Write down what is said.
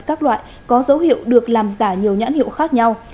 các loại có dấu hiệu được làm giả nhiều nhãn hiệu khác nhau